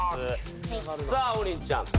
さぁ王林ちゃん